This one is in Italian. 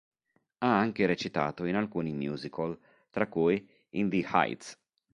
Ha anche recitato in alcuni musical, tra cui "In the Heights".